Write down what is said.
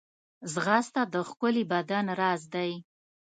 ځغاسته د ښکلي بدن راز دی